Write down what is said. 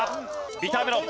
ビターメロン。